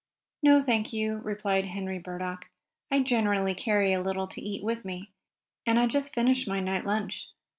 "No, thank you," replied Henry Burdock. "I generally carry a little to eat with me, and I just finished my night lunch.